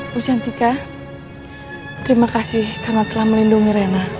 bu cantika terima kasih karena telah melindungi reina